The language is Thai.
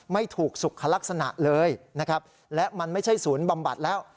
ไม่ถูกสุขลักษณะเลยนะครับและมันไม่ใช่ศูนย์บำบัดแล้ว